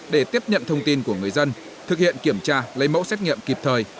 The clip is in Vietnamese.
để tiếp nhận thông tin của người dân thực hiện kiểm tra lấy mẫu xét nghiệm kịp thời